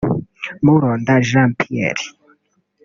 Mulonda Jean Pierre